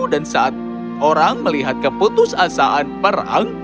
dan saat orang melihat keputusasaan perang